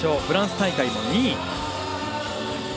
フランス大会も２位。